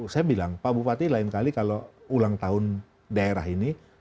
saya bilang pak bupati lain kali kalau ulang tahun daerah ini